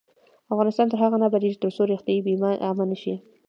افغانستان تر هغو نه ابادیږي، ترڅو روغتیايي بیمه عامه نشي.